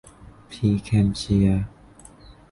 พรีแคลมป์เชีย